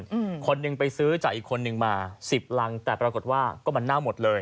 อืมคนหนึ่งไปซื้อจากอีกคนนึงมาสิบรังแต่ปรากฏว่าก็มันเน่าหมดเลย